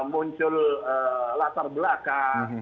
muncul latar belakang